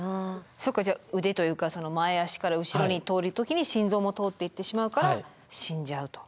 そっかじゃあ腕というか前足から後ろに通る時に心臓も通っていってしまうから死んじゃうと。